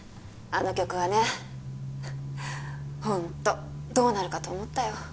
あの曲はねホントどうなるかと思ったよ